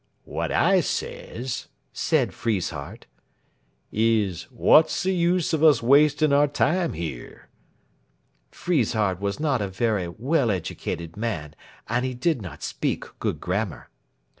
"What I sez," said Friesshardt, "is, wot's the use of us wasting our time here?" (Friesshardt was not a very well educated man, and he did not speak good grammar.)